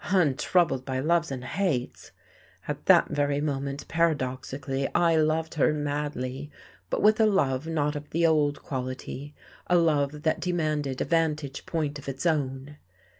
Untroubled by loves and hates! At that very moment, paradoxically, I loved her madly, but with a love not of the old quality, a love that demanded a vantage point of its own.